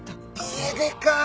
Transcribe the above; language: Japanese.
家出かあ。